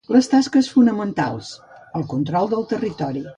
Les tasques fonamentals: el control del territori.